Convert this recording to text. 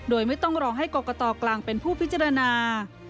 โดยไม่ต้องรอให้กรกตกลางเป็นผู้พิจารณา